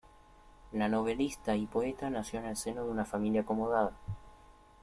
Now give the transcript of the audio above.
La novelista y poeta nació en el seno de una familia acomodada.